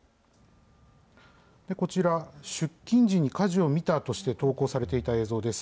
こちら、出勤時に火事を見たとして投稿されていた映像です。